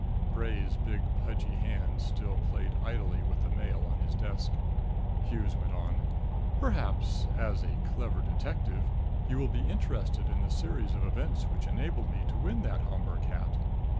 Bray's big pudgy hands still played idly with the mail on his desk. Hughes went on: "Perhaps, as a clever detective, you will be interested in the series of events which enabled me to win that Homburg hat?